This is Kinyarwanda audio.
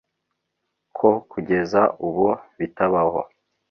ko kugeza ubu bitabaho